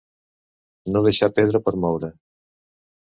No deixar pedra per moure.